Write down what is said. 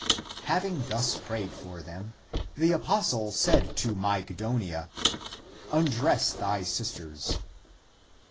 Having thus prayed for them, the apostle said to Mygdonia, " Undress thy sisters